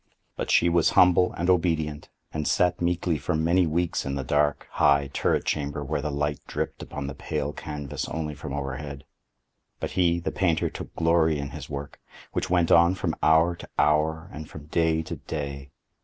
But she was humble and obedient, and sat meekly for many weeks in the dark, high turret chamber where the light dripped upon the pale canvas only from overhead. But he, the painter, took glory in his work, which went on from hour to hour, and from day to day.